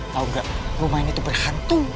tau gak rumah ini tuh berhantu